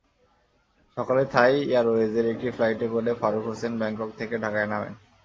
সকালে থাই এয়ারওয়েজের একটি ফ্লাইটে করে ফারুক হোসেন ব্যাংকক থেকে ঢাকায় নামেন।